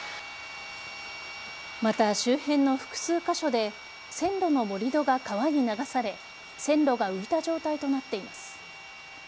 また周辺の複数箇所で線路の盛り土が川に流され線路が浮いた状態となっています。